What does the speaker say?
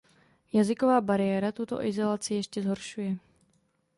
Jazyková bariéra tuto izolaci ještě zhoršuje.